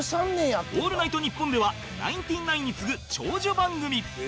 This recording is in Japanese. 『オールナイトニッポン』ではナインティナインに次ぐ長寿番組